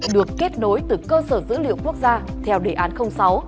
được kết nối từ cơ sở dữ liệu quốc gia theo đề án sáu